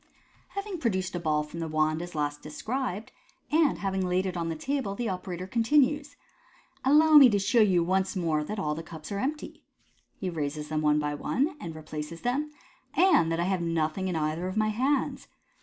— Having produced a ball from the wand as last described, and having laid it on the table, the operator continues, —" Allow me to show you once more that all the cups are empty " (he raises them one by one, and replaces them), "and thac I have nothing in either of my hands.